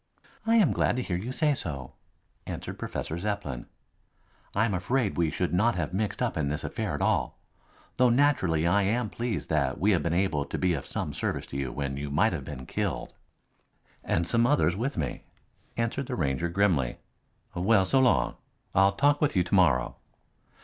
"I am glad to hear you say so," answered Professor Zepplin. "I am afraid we should not have mixed up in this affair at all, though naturally I am pleased that we have been able to be of some service to you when you might have been killed." "And some others with me," answered the Ranger grimly. "Well, so long. I'll talk with you to morrow."